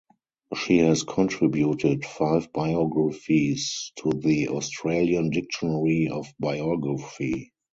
She has contributed five biographies to the Australian Dictionary of Biography.